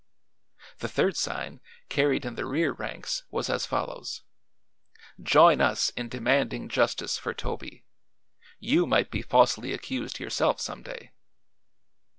The third sign, carried in the rear ranks, was as follows: "JOIN US IN DEMANDING JUSTICE FOR TOBY. YOU MIGHT BE FALSELY ACCUSED YOURSELF SOME DAY."